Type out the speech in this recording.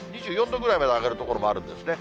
２４度ぐらいまで上がる所もあるんですね。